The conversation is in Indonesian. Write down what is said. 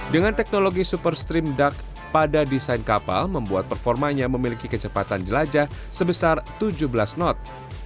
dengan teknologi super stream duck pada desain kapal membuat performanya memiliki kecepatan jelajah sebesar tujuh belas knot